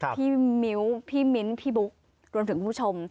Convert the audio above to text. มิ้วพี่มิ้นท์พี่บุ๊ครวมถึงคุณผู้ชม